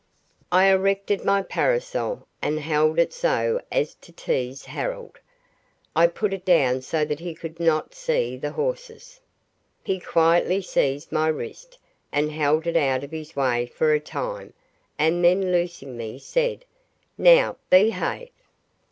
I erected my parasol and held it so as to tease Harold. I put it down so that he could not see the horses. He quietly seized my wrist and held it out of his way for a time, and then loosing me said, "Now, behave."